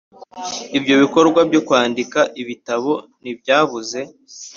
ibyo bikorwa byo kwandika ibitabo ntibyabuze